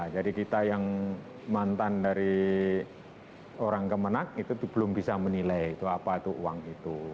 jadi kita yang mantan dari orang kemenang itu belum bisa menilai itu apa itu uang itu